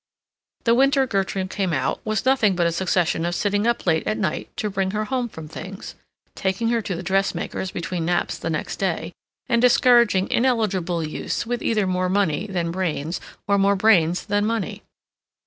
The winter Gertrude came out was nothing but a succession of sitting up late at night to bring her home from things, taking her to the dressmakers between naps the next day, and discouraging ineligible youths with either more money than brains, or more brains than money.